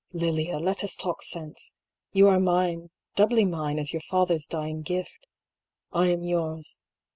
Lilia, let us talk sense. You are mine— doubly mine, as your father's dying gift — I am yours.